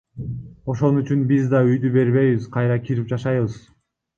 Ошону үчүн биз да үйдү бербейбиз, кайра кирип жашайбыз.